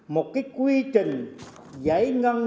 một cái quy trình giải ngân